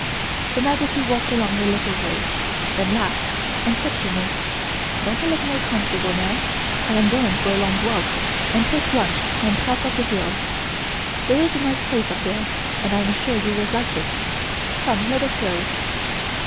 Her Majesty walked along a little way, then laughed and said to me: "Don't I look more comfortable now? I am going for a long walk and take lunch on the top of the hill. There is a nice place up there and I am sure you will like it. Come, let us go."